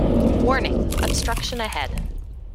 Warning! Obstruction ahead.